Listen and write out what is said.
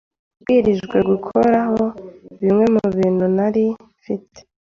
Nabwirijwe gukuraho bimwe mubintu nari mfite.